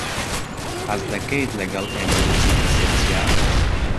حەز دەکەیت لەگەڵ ئێمە بچیتە سەر چیا؟